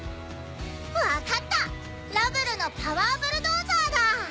わかったラブルのパワーブルドーザーだ！